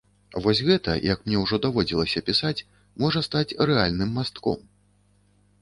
Вось гэта, як мне ўжо даводзілася пісаць, можа стаць рэальным мастком.